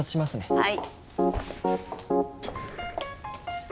はい。